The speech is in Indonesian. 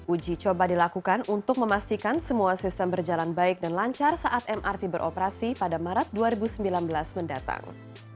uji coba dilakukan untuk memastikan semua sistem berjalan baik dan lancar saat mrt beroperasi pada maret dua ribu sembilan belas mendatang